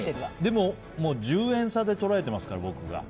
でも１０円差で捉えてますから僕が。